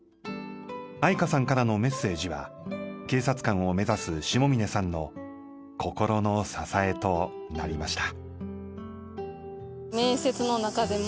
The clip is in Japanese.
愛華さんからのメッセージは警察官を目指す下峰さんの心の支えとなりました。